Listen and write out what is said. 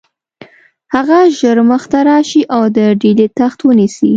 هغه ژر مخته راشي او د ډهلي تخت ونیسي.